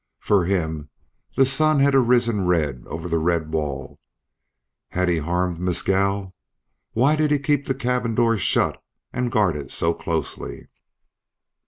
For him the sun had arisen red over the red wall. Had he harmed Mescal? Why did he keep the cabin door shut and guard it so closely?